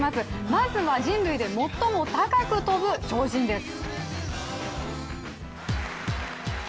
まずは人類で最も高く跳ぶ鳥人です。